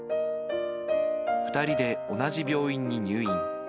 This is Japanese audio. ２人で同じ病院に入院。